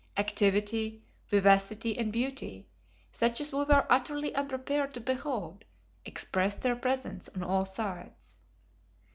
Activity, vivacity and beauty, such as we were utterly unprepared to behold, expressed their presence on all sides.